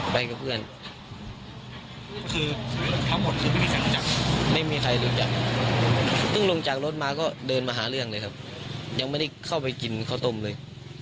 พึ่งลงจากรถมาก็เดินมาหาเรื่องเลยครับยังไม่ได้เข้าไปกินข้าวต้มเลย